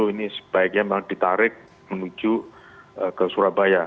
ini sebaiknya memang ditarik menuju ke surabaya